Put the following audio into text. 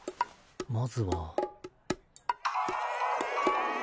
まずは。